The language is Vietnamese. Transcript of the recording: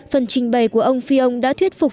phần trình bày của ông fillon đã thuyết phục